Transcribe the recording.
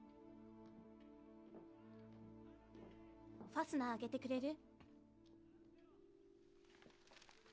ファスナー上げてくれる？